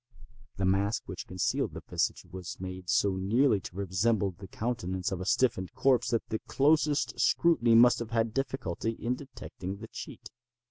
The mask which concealed the visage was made so nearly to resemble the countenance of a stiffened corpse that the closest scrutiny must have had difficulty in detecting the cheat.